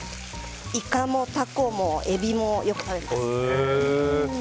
イカもタコもエビもよく食べます。